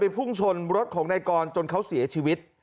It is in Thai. ไปพุ่งชนรถของในกรจริจคงเขาเสียชีวิตแล้ว